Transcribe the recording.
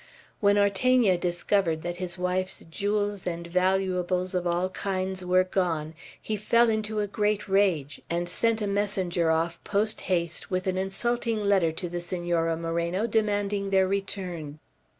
When Ortegna discovered that his wife's jewels and valuables of all kinds were gone, he fell into a great rage, and sent a messenger off, post haste, with an insulting letter to the Senora Moreno, demanding their return.